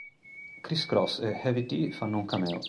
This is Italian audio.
Kris Kross e Heavy D fanno un cameo.